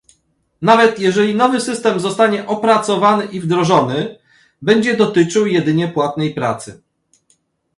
Nawet jeżeli nowy system zostanie opracowany i wdrożony, będzie dotyczył jedynie płatnej pracy